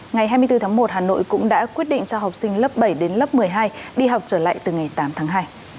ngày hai mươi bốn tháng một hà nội cũng đã quyết định cho học sinh lớp bảy đến lớp một mươi hai đi học trở lại từ ngày tám tháng hai